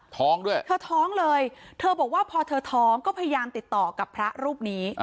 ท้องด้วยเธอท้องเลยเธอบอกว่าพอเธอท้องก็พยายามติดต่อกับพระรูปนี้